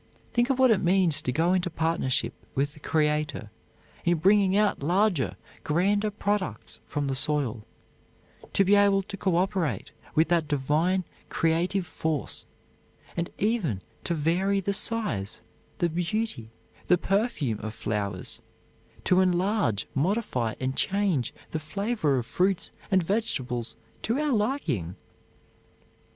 Think of what it means to go into partnership with the Creator in bringing out larger, grander products from the soil; to be able to co operate with that divine creative force, and even to vary the size, the beauty, the perfume of flowers; to enlarge, modify and change the flavor of fruits and vegetables to our liking!